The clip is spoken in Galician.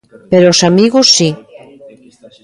Pero aos amigos si.